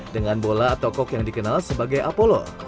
dengan bola atau kok yang dikenal sebagai apolo